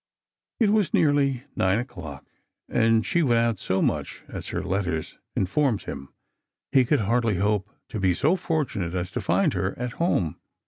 It was nearly nine o'clock, and she went out so much, as her letters inforiaed him. He could hardly hope to be so fortunate as to find her at home.